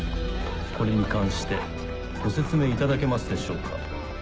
これに関してご説明いただけますでしょうか？